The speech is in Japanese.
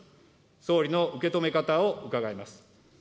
総理の受け止め方を伺います。